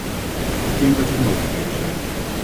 Ik denk dat er mogelijkheden zijn.